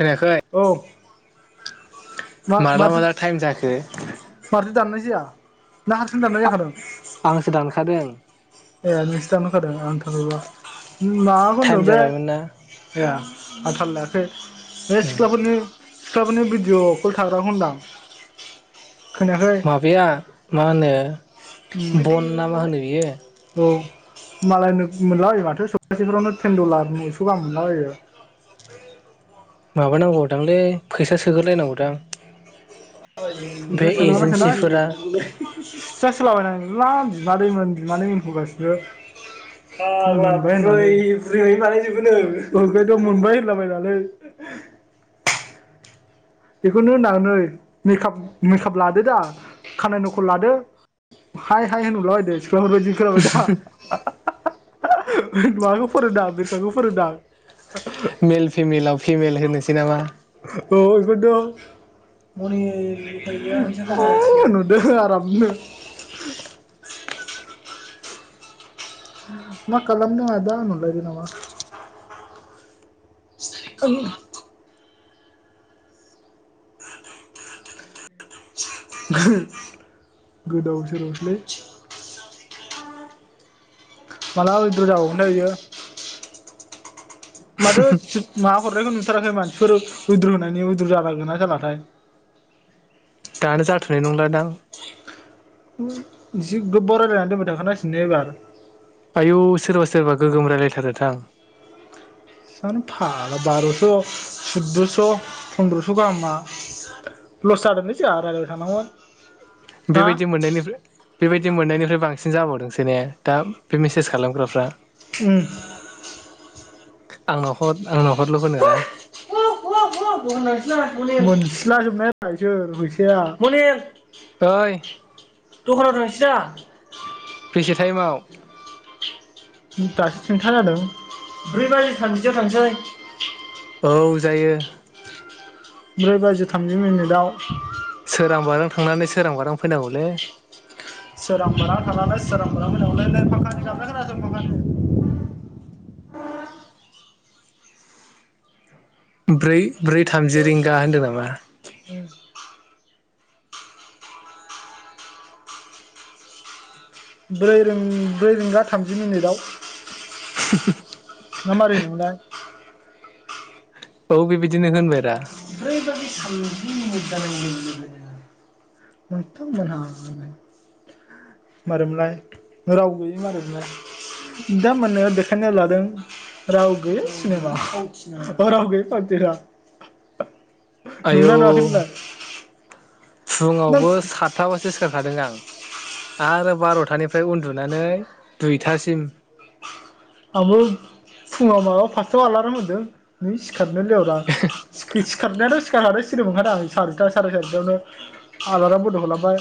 खोनायाखै औ मा माला माथो माला थाइम जाखो? माथो दाननाय ना हारसिनो दाननाय जाखादों? आंसो दानखादों। ए नोंस दानहर खादों आं थाल माबाखौ टाइम होनदों बे जाबायमोन ना ए। आं थाल लायाखै। बे उम सिख्लाफोरनि सिख्लाफोरनि भिडिअफोर थाग्रा खौ होनदां। खोनायाखै माबाया मा होनो? उम बन ना मा होनो बियो? औ मालाय मोनलाबायो माथो सपासेफोरावनो तेन दलार नयस' गाहाम मोनलाबायो। माबानांगौदांलै फैसा सोग्रोलायनांगौदां। [unintelligible] बे एजेन्सिफोरा सिथेथास होलाबायना आ बिमादैमोन बिमानैमोन सिबो फाग्ला ओमफाय बुरै बुरैनाय मानि बानाय जोबोनो ओमफ्रायथ मोनबाय होनलाबायनानै। बेखौनो होनदां नै मेकाप मेकाप लादो दा खानाय नखल लादो हाय हाय होनरलायदो। सिख्लाफोरबायदि खोनाबाय दा? [unintelligible] बिरखाखौ फोरोंदां मेल फिमेलाव फिमेल होनोसै नामा? औ दं [unintelligible] नुदों आरामनो। मा खालामदों आदा होनरलायदो नामा? [unintelligible] गो- गोदाव सोरावसोलै। माब्ला उइद्र जाबावगोनथाय बियो माथो [unintelligible] माबा हरनायखौ नुथाराखै आंलाय मानसिफोर उइद्र' होनायनि उइद्र' जाबाय जाबाथाय दानो जाथ'नाय नंला दां। जि गोबबाव रायलायनानै दोनबाय थाखानांसिगोन ने एबार? आयौ सोरबा सोरबा गोगोम रायलायथारो दां। सानो फा बार'स' सुददस' फन्दद्रस' गाहामा लस जादोंलै जोंहा रायलायबाय थानांगोन। बेबायदि मोननायनिफ्राय बेबायदि मोननायनिफ्राय बांसिन जाबावदोंसो ने दा बे मेसेज खालामग्राफ्रा उम आंनाव हद [unintelligible] [unintelligible] फैसाया [unintelligible] ओइ दखानाव थांसै दा? बेसे टाइमाव दासो थिनथा जादों। ब्रै बाजि थामजियाव थांसै। औ जायो। ब्रै बाजि थामजि मिनिटाव। सोरां बारां थांनानै सोरां बारां फैनांगौलै। सोरां बारां थांनानै सोरां बारां नै फांखा नि गाबनाय खोनासं [unintelligible] ब्रै ब्रै थामजि रिंगा होनदो नामा? ब्रै रिं ब्रै रिंगा थामजि मिनिदाव। ना मारै मोनलाय? [inaudible] औ बेबायदिनो होनबाय रा। ब्रै बाजि थामजि मिनिट जानाय लोगो लोगोनो नोंथांमोनहा मारोमलाय राव गैयै मारैमोनलाय नोंथांमोननो देखायनो लादों राव गैयै सिनेमा राव गैयै फावथिना। आयौ नुगोना नुवाखै नोंलाय? नों फुङावबो सातथाबासो सिखारखादों आं। आरो बार'थानिफ्राय उन्दुनानै दुइथासिम आंबो फुङाव माबा फासथायाव आलारोम होदों नै सिखारनायानो [unintelligible] सिखारनायानो सानावनो सिरिमोनखादों आं सारिथा साराय सारिथायावनो आलाराम बन्द' खालामबाय।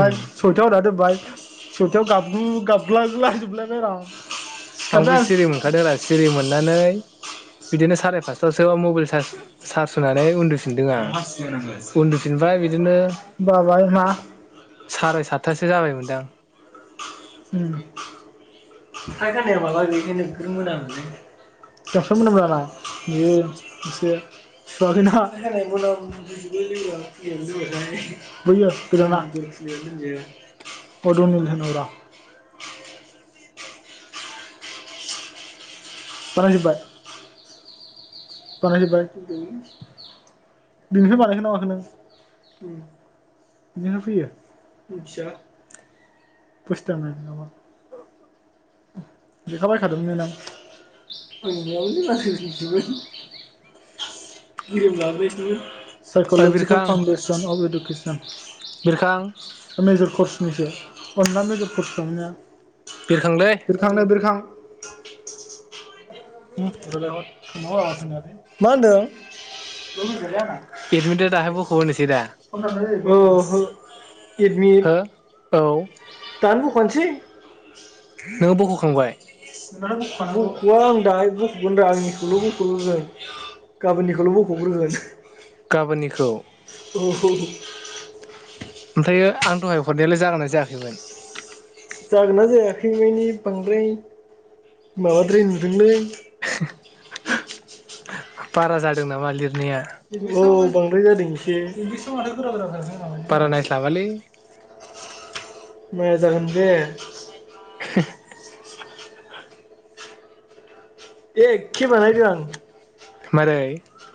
उम सयथायाव होनादोनबाय। सइथायाव गाब्लु गाबलायला जोबलायबाय रा। आंबो सिखारबाय आं सिरि मोनखादों रा सिरि मोननानै बिदिनो साराय फासतायावसो मबाइल चार्ज होनानै उन्दु माने फिदोंआं हासिब होनांगो उन्दुफिनबाय बिदिनो बाबाय मा साराय साथासिम सो जाबाय मोनदां। [unintelligible] [inaudible] फराय जोबाय? बानायजोबबाय बिनिफ्राय बानायखोन ना माखो नों बिनिफ्राय फैयो? मिथिया। फुस्टा [unintelligible] लेखाबायखादोंमोन ना नों आंयावनोन गेलेम जाबबायसनो ओइ साइक'लजिकेल बिरखां फाउन्डेसन अफ इडुकेसन बिरखां मेजर कर्सनिसो अनला मेजर कर्स खालामनाया बिरखांलै बिरखांनो बिरखां [inaudible] ओम रायलाय हर मा होनदों? एडमिट दा बखबोनोसैदा ओ ओ एडमिट औ दानो बखनोसेै। नोङो बख'खांबाय? दा बखान बख'आ आं दाहाय बख'गोन र आंनिखौल' बख'ग्रोगोन गाबोननिखौल' बख'ग्रोगोन। गाबोननिखौ ओहु औ ओमफ्रायो आं दहाय हरनायालाय जागोनना जायाखैमोन? जागोनना जायाखै मानि बांद्राय माबाद्राय नुदोंलै। [inaudible] बाराजादों नामा लिर औ बांद्राय जादों एसे बारा नायस्लाबा लै मोजां होनदो। ओ एखे बानायदों आं। मारै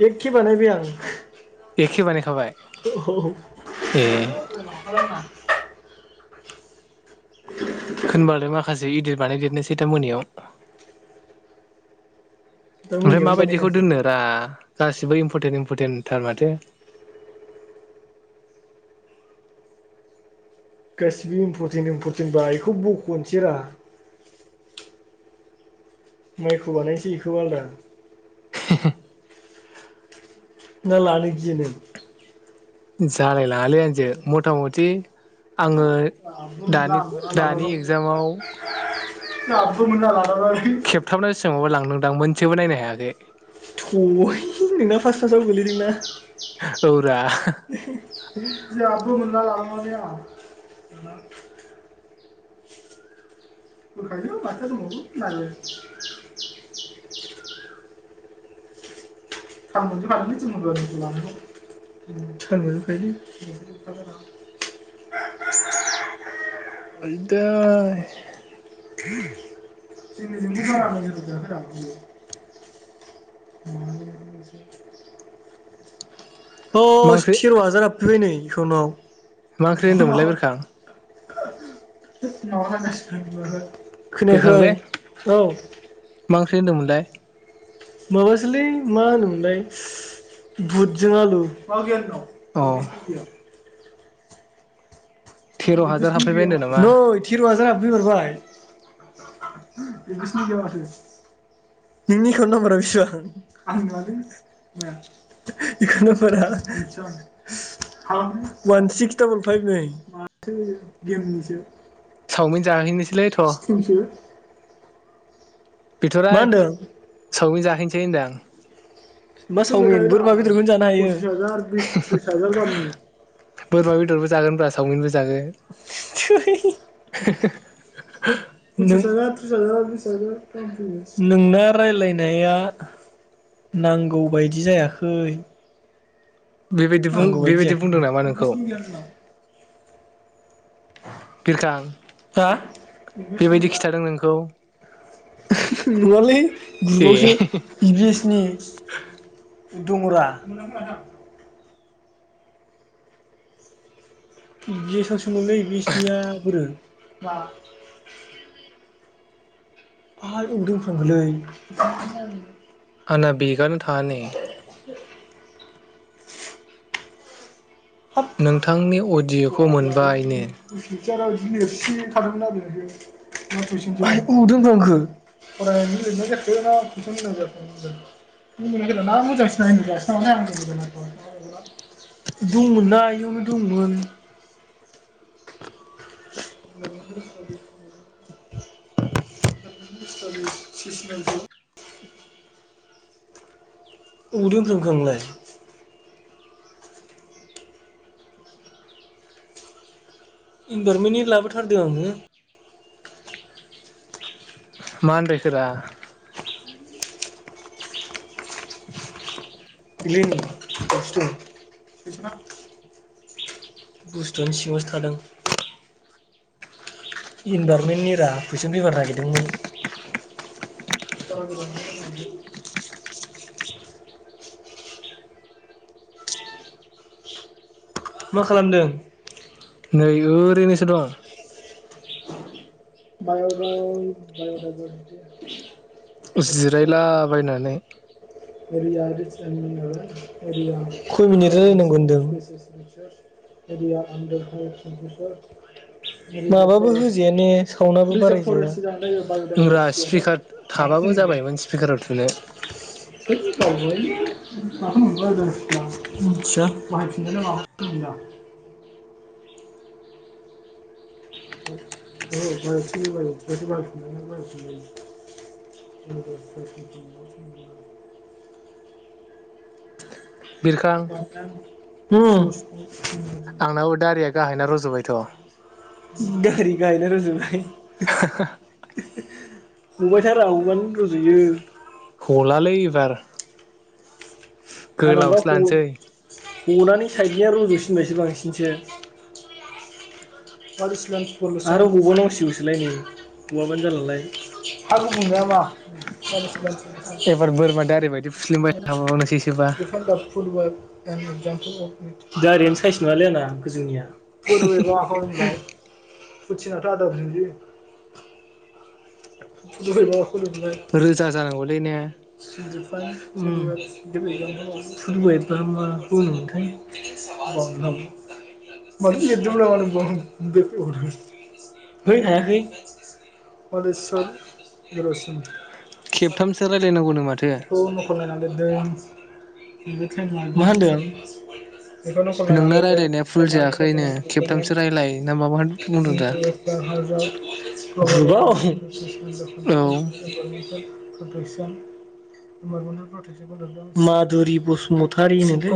एखे बानायदों आं। एखे बानायखाबाय ए [unintelligible] खोनबालाय मा खासे इदित बानाय देरनोसै दा मोनायाव। ओमफ्राय मोनायावनो माबायदिखौ बानायखानोसै दोननो रा गासिबो इम्परटेन्ट इम्परटेन्ट थार माथो गासिबो इम्परटेन्ट इम्परटेन्ट बा इखौ बख'नोसै रा। माइखौ बानायनोसै इखौ आलदा। ना लानो गियो नों? जालाय लाङालै आंजोे मथा मथि आङो दानि दानि एगजामाव जाबबो मोनला लादावनानै खेबथामना बेसांबा लांदोंदां मोन सेबो नायनो हायाखै थुय नोंना फार्स्ट फार्स्टआवनो गोलैदों ना औरा [unintelligible] [unintelligible] [unintelligible] ओइदै [inaudible] [unintelligible] औ मा ओंख्रि थिर' हाजार हाबफैबाय नै एखावनाव मा ओंख्रि होनदोंमोनलाय बिरखां [unintelligible] खोनाखै औ ख्रि होनदोंमोनलाय माबासोलै मा होनोमोनलाय बुटजों आलु [unintelligible] अ तेर' हाजार हाबफैबाय होनदों नामा नै थेर' हाजार हाबफै मारबाय एकाउन्ट नाम्बारा बेसेबां वान सिक्स डाबल फाइभ नै गो गेमनिसो चावमिन जाहैनोसैलैथ' स्किमसो मा बिथ'राय होनदों सावमिन जा नोसै होनदां मा चावमिन बोरमा बेदरखौ नो जानो हायो। बिस थ्रिस हाजार गाहाम सावमिनबो थैय [unintelligible] नोंना रायलायनाया नांगौबायदि जायाखै बेबायदि बुं नांगौ बायदि बेबायदि बुंदों जायाखै नामा नोंखौ बिरखां हा बेबायदि खिथादों नोंखौ नङालै ग्रुबावसो ए इ भि एस नि दङ'रा जेसां सावलै इ भि एस निया बोरो आं अबाव दोनफ्लांखोलै आना बेकआनो थाङा नै हाब नोंथांनि अडिय'खौ मोनबाय नो लिरसि थादोंमोन आरो दोंबो आंखौ फरायनानै लिरनाय जाखो मोजांसिसै नालाय [unintelligible] दंमोनना इयावनो दंमोन [inaudible] उबाव दोनफ्रांखो आंलाय इनभारमेन्टनि लाबोथारदों आङो मा आनदायखोरा इलाय नै बेयावसो दं बुस्थुवानो सिङावसो थादों। इनभारमेन्टनि रा कुइसन फेफार नागिरदोंमोन मा खालामदों? नै ओरैनोसो दं बाय' डाइ बाय'डाइभारसिटि जिरायलाबायनानै खय मिनिट रायलायनांगौ होनदों? माबाबो होजाया ने? सावनाबो बाराय जाया ओमब्रा स्पिकार थाबाबो होनो जाबायमोन स्पिकाराव थुनो औवलै मख बाय द [unintelligible] मिथिया बाहायफिननायदा [unintelligible] बिरखां [inaudible] हम आंनाबो दारिया गाहायना रज'बायथ' दारि गाहायना रजबाय हा हा हबायथारा हबानो रजुयो। हलालै एबार गोलावसो लानोसै नानै साइडनिया रुज'सिनबायसो बांसिनसो मादसानलस आरो गावबाव नांसिगौसैलाय नै हवाबानो जालाालाय हु बुंजा मा। एबार बोरमा दारिबादि फुल्सिमबाय थाबावनोसै सोबा। डिफेन्ड दा फुटबल [unintelligible] दारियानो साइस नङालै आंना गोजौनिया। हे हे हे [unintelligible] फुथिना थ [unintelligible] [unintelligible] रोजा जानांगौलै ने। [unintelligible] ओद हायाखै [unintelligible] खेबथामसो रायलायनांगौ नो माथो। बेखौ नखल नायना दोन। [inaudible] मा होनदों। नोंना रायलायनाया फुल जायाखैनो नखल नायना खेबथामसो रायजलाय ना माबाखौ बुंदों दा। [unintelligible] [unintelligible] [unintelligible] [inaudible] औ माधुरि बसुमतारि नोलै।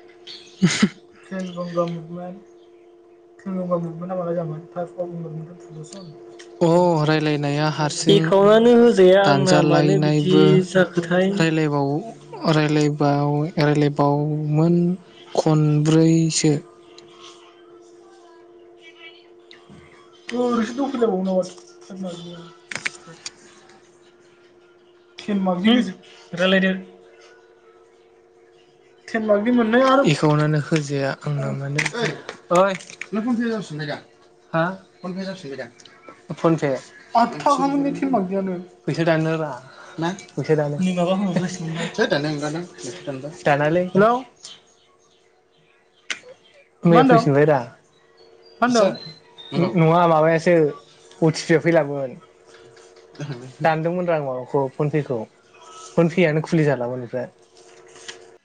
[unintelligible] [unintelligible] अ लिरदों रायलायनाया हारसिं एकाउन्टानो होजाया आंना मानो बिदि दानजालायनायबो जाखोथाय रायलायबाव रायलाय। बाव राय्लायबावमोन खनब्रैसो। [unintelligible] रायलायदों। एकाउन्टनो होजाया आंना माने ओइ। नोंना फनपे या जासिनबायनाय दा हा फनपे जासिनबायदा फनपे। [inaudible] आदथाखामोनलै टेन मार्कनियानो फैसा दानो रा फैसा दानो हनै माबा होहरगासिनो दां होद दान दानालै । हेलौ मा मैया होनदों मा फैफिनलबाय दा होनदों नङा माबायासो। अटि पि आ फैलामोन दानदोंमोन रा आं माबाखौ फनपे खौ फनपेआनो खुलि जालामोन एमफ्राय।